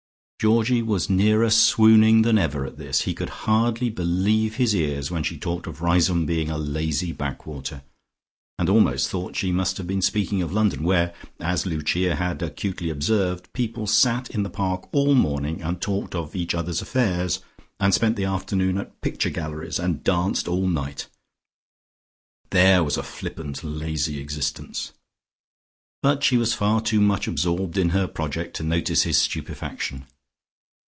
Georgie was nearer swooning than ever at this. He could hardly believe his ears when she talked of Riseholme being a lazy backwater, and almost thought she must have been speaking of London, where, as Lucia had acutely observed, people sat in the Park all morning and talked of each other's affairs, and spent the afternoon at picture galleries, and danced all night. There was a flippant, lazy existence. But she was far too much absorbed in her project to notice his stupefaction.